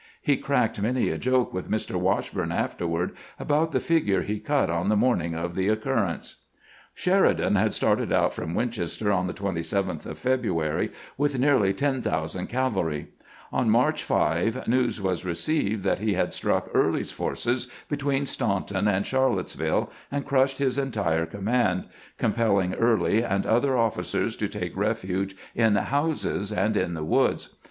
He cracked many a joke with Mr. Washburne afterward about the figure he cut on the morning of the occur rence. Sheridan had started out from "Winchester on the 27th of February with nearly 10,000 cavalry. On March 5 396 CAMPAIGNING WITH GRANT news was received tliat he had struck Early's forces between Staunton and Charlottesville, and crushed his entire command, compelling Early and other officers to take refuge in houses and in the woods.